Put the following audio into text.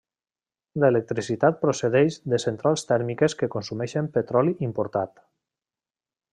L'electricitat procedeix de centrals tèrmiques que consumeixen petroli importat.